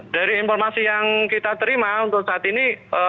dari informasi yang kita terima untuk saat ini